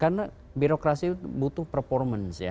karena birokrasi itu butuh performance ya